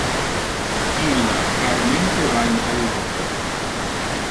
Illa rarmente va in tal loco.